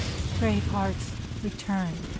Brave hearts, return !